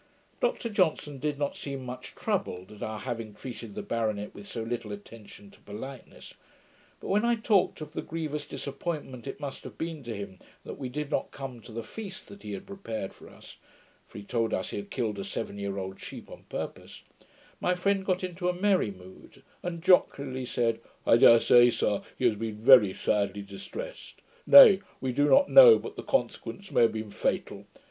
Dr Johnson did not seem much troubled at our having treated the baronet with so little attention to politeness; but when I talked of the grievous disappointment it must have been to him that we did not come to the FEAST that he had prepared for us (for he told us he had killed a seven year old sheep on purpose), my friend got into a merry mood, and jocularly said, 'I dare say, sir, he has been very sadly distressed. Nay, we do not know but the consequence may have been fatal.